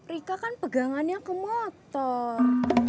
rika kan pegangannya ke motor